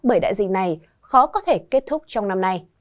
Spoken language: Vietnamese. bởi đại dịch này khó có thể kết thúc trong năm nay